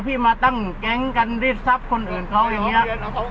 ที่มาตั้งแก๊งกันรีดทรัพย์คนอื่นเขาอย่างนี้